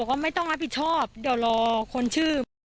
ก็กลายเป็นว่าติดต่อพี่น้องคู่นี้ไม่ได้เลยค่ะ